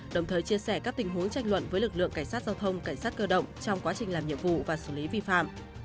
đồng thời chia sẻ các tình huống tranh luận với lực lượng cảnh sát giao thông cảnh sát cơ động trong quá trình làm nhiệm vụ và xử lý vi phạm